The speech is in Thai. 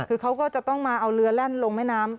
คือเขาก็จะต้องมาเอาเรือแล่นลงแม่น้ำ